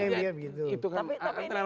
nah itu kan antara lain